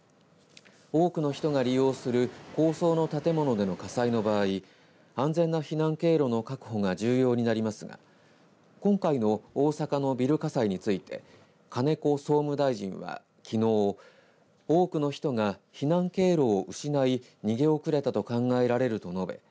多くの人が利用する高層の建物での火災の場合安全な避難経路の確保が重要になりますが今回の大阪のビル火災について金子総務大臣はきのう多くの人が避難経路を失い逃げ遅れたと考えられると述べ